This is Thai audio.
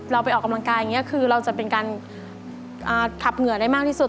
ไปออกกำลังกายอย่างนี้คือเราจะเป็นการขับเหงื่อได้มากที่สุด